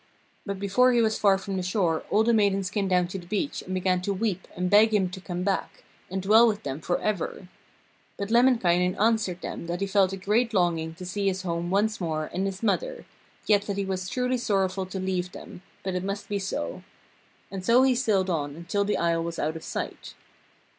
But before he was far from the shore all the maidens came down to the beach and began to weep and beg him to come back and dwell with them for ever. But Lemminkainen answered them that he felt a great longing to see his home once more and his mother, yet that he was truly sorrowful to leave them, but it must be so. And so he sailed on until the isle was out of sight.